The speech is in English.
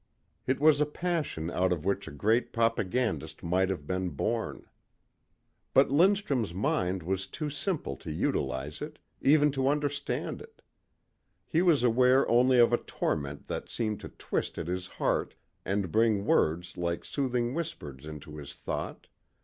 It was a passion out of which a great propagandist might have been born. But Lindstrum's mind was too simple to utilize it, even to understand it. He was aware only of a torment that seemed to twist at his heart and bring words like soothing whispers into his thought.